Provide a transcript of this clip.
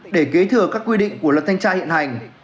để kế thừa các quy định của luật thanh tra hiện hành